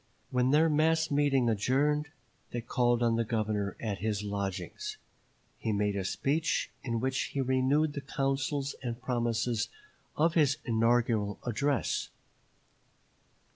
When their mass meeting adjourned, they called on the Governor at his lodgings; he made a speech, in which he renewed the counsels and promises of his inaugural address.